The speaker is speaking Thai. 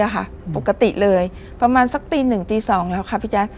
อะค่ะปกติเลยประมาณสักตีหนึ่งตีสองแล้วค่ะพี่จ๊ะ